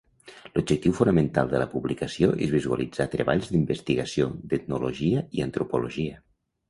L’objectiu fonamental de la publicació és visualitzar treballs d’investigació d’etnologia i antropologia.